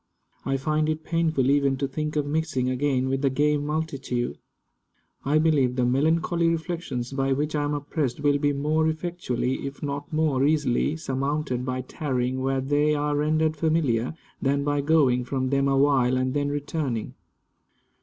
I find it painful even to think of mixing again with the gay multitude. I believe the melancholy reflections by which I am oppressed will be more effectually, if not more easily, surmounted by tarrying where they are rendered familiar, than by going from them awhile and then returning.